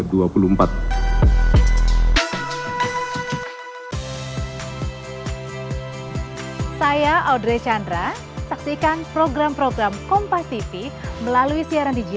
kami melaksanakan tugas dari itu mulai hari ini sebagai kepala staf angkatan udara yang ke dua puluh empat